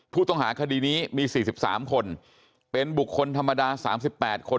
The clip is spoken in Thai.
ผู้ต้องหาคดีนี้มีสี่สิบสามคนเป็นบุคคลธรรมดาสามสิบแปดคน